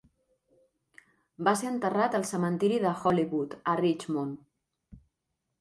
Va ser enterrat al cementiri de Hollywood, a Richmond.